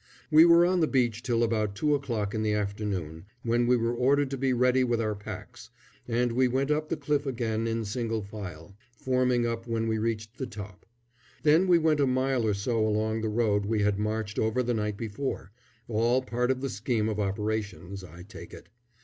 We were on the beach till about two o'clock in the afternoon, when we were ordered to be ready with our packs, and we went up the cliff, again in single file, forming up when we reached the top. Then we went a mile or so along the road we had marched over the night before all part of the scheme of operations, I take it.